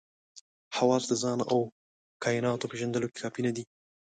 حواس د ځان او کایناتو پېژندلو کې کافي نه دي.